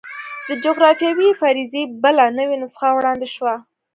د جغرافیوي فرضیې بله نوې نسخه وړاندې شوه.